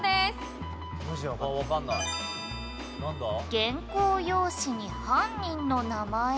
「原稿用紙に犯人の名前」